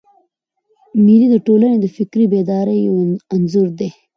مېلې د ټولني د فکري بیدارۍ یو انځور دئ.